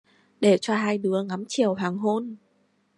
Để cho hai đứa ngắm chiều hoàng hôn